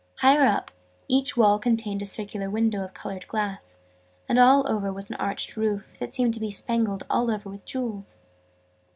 Higher up, each wall contained a circular window of coloured glass; and over all was an arched roof, that seemed to be spangled all over with jewels.